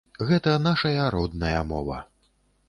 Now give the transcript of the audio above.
Гэта нашая родная мова.